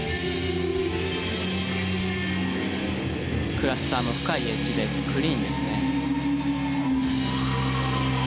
クラスターの深いエッジでクリーンですね。